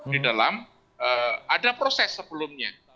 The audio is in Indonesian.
di dalam ada proses sebelumnya